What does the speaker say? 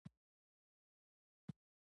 هڅه یې وکړه چې د ښځې مېړه خپله ښځه طلاقه کړي.